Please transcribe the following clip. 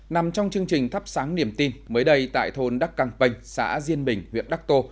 nằm trong chương trình thắp sáng niềm tin mới đây tại thôn đắc căng bành xã diên bình huyện đắc tô